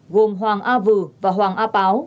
gồm hoàng a vừ và hoàng a páo